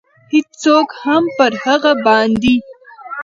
هېڅوک هم پر هغه باندې.